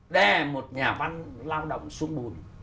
đè một nhà văn lao động xuống bùn